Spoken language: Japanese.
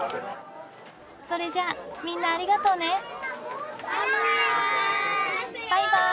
それじゃみんなありがとうね。バイバイ。